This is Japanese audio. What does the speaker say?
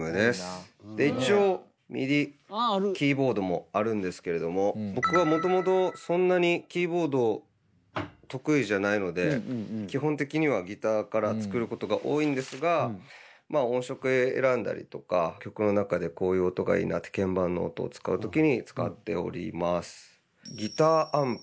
一応ＭＩＤＩキーボードもあるんですけれども僕はもともとそんなにキーボード得意じゃないので基本的にはギターから作ることが多いんですがまあ音色選んだりとか曲の中でこういう音がいいなって鍵盤の音を使う時に使っております。